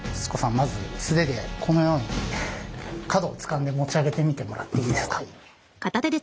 まず素手でこのように角をつかんで持ち上げてみてもらっていいですか。